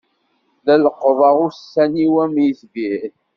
La leqqḍeɣ ussan-iw am itbir.